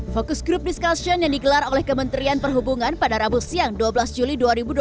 fokus group discussion yang digelar oleh kementerian perhubungan pada rabu siang dua belas juli dua ribu dua puluh